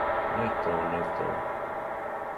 Не то, не то.